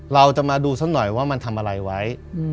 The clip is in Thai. เราจะมาดูสักหน่อยว่ามันทำอะไรไว้